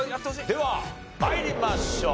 では参りましょう。